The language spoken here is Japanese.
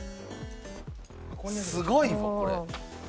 すごいぞこれ。